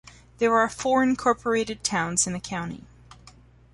There are four incorporated towns in the county.